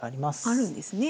あるんですね。